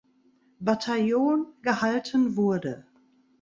Bataillon gehalten wurde.